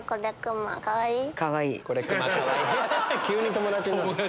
急に友達になった。